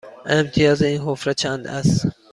امتیاز این حفره چند است؟